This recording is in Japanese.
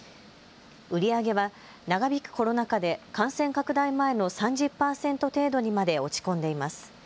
売り上げは長引くコロナ禍で感染拡大前の３０％程度にまで落ち込んでいます。